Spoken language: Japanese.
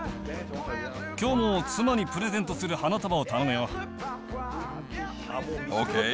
きょうも妻にプレゼントする花束を頼むよ。ＯＫ。